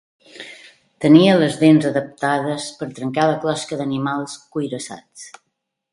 Tenia les dents adaptades per trencar la closca d'animals cuirassats.